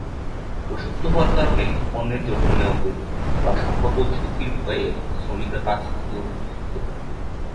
অসুস্থ হওয়ার কারণে, অন্যের যত্ন নেওয়া প্রয়োজন, বা সম্ভাব্য ঝুঁকির ভয়ে শ্রমিকরা কাজ থেকে অনুপস্থিত হতে পারে।